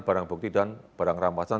barang bukti dan barang rampasan